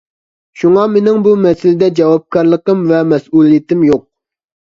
شۇڭا مېنىڭ بۇ مەسىلىدە جاۋابكارلىقىم ۋە مەسئۇلىيىتىم يوق.